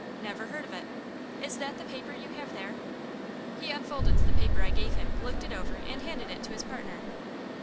"Never heard of it. Is that the paper you have there?" He unfolded the paper I gave him, looked over it, and handed it to his partner.